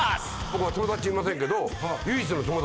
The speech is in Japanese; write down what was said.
僕は友達いませんけど。